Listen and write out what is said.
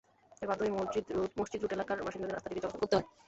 তাই বাধ্য হয়েই মসজিদ রোড এলাকার বাসিন্দাদের রাস্তাটি দিয়ে চলাচল করতে হয়।